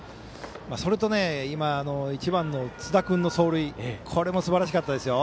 それと、１番の津田君の走塁もすばらしかったですよ。